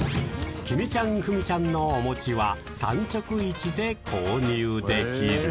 きみちゃん、ふみちゃんのお餅は産直市で購入できる。